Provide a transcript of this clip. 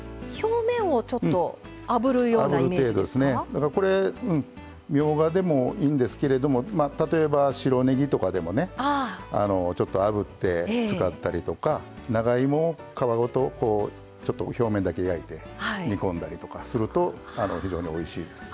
だからこれみょうがでもいいんですけれども例えば白ねぎとかでもねちょっとあぶって使ったりとか長芋を皮ごとこうちょっと表面だけ焼いて煮込んだりとかすると非常においしいです。